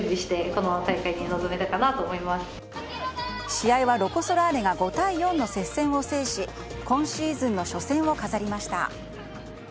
試合はロコ・ソラーレが５対４の接戦を制し今シーズンの初戦を飾りました。